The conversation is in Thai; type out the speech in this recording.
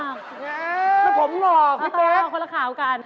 งั้นต้องเอาคนละข่าวกันแล้วผมหลอกพี่เตรียม